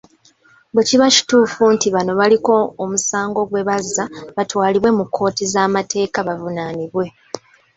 Bwe kiba kituufu nti bano baliko omusango gwe bazza, batwalibwe mu kkooti z'amateeka bavunaanibwe.